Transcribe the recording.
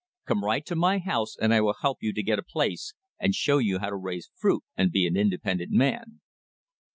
Come right to my house and I will help you to get a place and show you how to raise fruit and be an independent man."